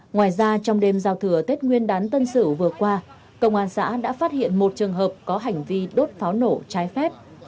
ngoài ra trong đêm giao thừa tết nguyên đán tân sử vừa qua công an xã đã phát hiện một trường hợp có hành vi đốt pháo nổ trái phép